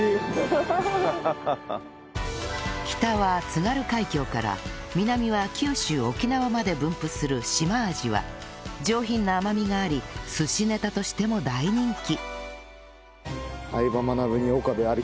北は津軽海峡から南は九州沖縄まで分布するシマアジは上品な甘みがあり寿司ネタとしても大人気